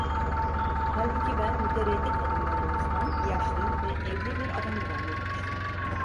Halbuki ben mütereddit adımlarınızdan yaşlı ve evli bir adam zannetmiştim.